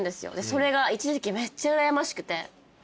それが一時期めっちゃうらやましくて。